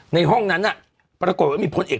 ในห้องนั้นปรากฏว่ามีพลเอก